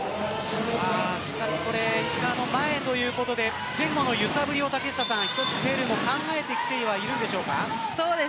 石川の前ということで前後の揺さぶりを一つペルーも考えてきてはいるんでしょうか？